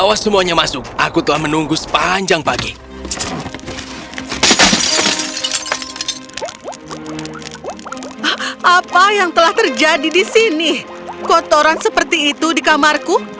apa yang telah terjadi di sini kotoran seperti itu di kamarku